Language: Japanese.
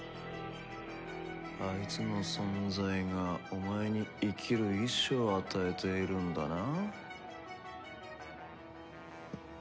あいつの存在がお前に生きる意思を与えているんだな？